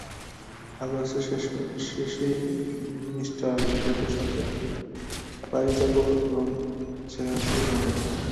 অগষ্টের শেষাশেষি মি লেগেটের সঙ্গে আমি পারি যাব এবং সেখানে থেকে লণ্ডন।